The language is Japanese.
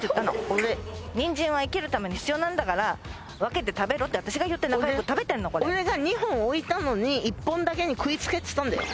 俺ニンジンは生きるために必要なんだから分けて食べろって私が言ったの仲良く食べてんのこれ俺が２本置いたのに１本だけに食いつけっつったんだよ